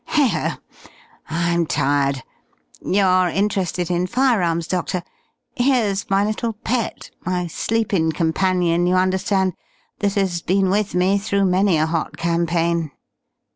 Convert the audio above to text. Heigho! I'm tired.... You're interested in firearms, Doctor. Here's my little pet, my sleepin' companion, you understand, that has been with me through many a hot campaign."